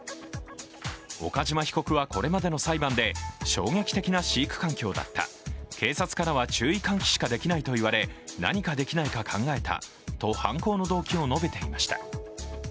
岡島被告はこれまでの裁判で衝撃的な飼育環境だった警察からは注意喚起しかできないと言われ何かできないか考えたと犯行の動機を述べていました。